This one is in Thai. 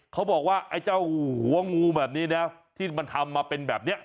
เขาบอกว่าไอ้เจ้าหัวงูแบบนี้นะที่มันทำมาเป็นแบบนี้